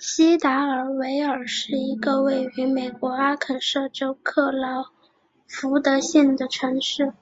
锡达尔维尔是一个位于美国阿肯色州克劳福德县的城市。